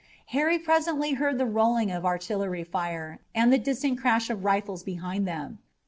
Harry presently heard the rolling of artillery fire and the distant crash of rifles behind them.